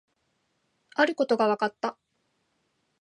あることが分かった